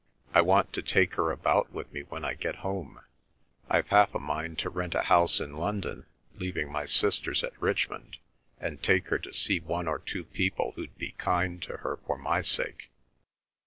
I want to take her about with me when I get home. I've half a mind to rent a house in London, leaving my sisters at Richmond, and take her to see one or two people who'd be kind to her for my sake.